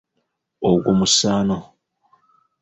Ogwo musano.